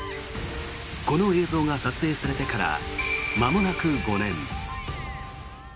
この映像が撮影されてからまもなく５年。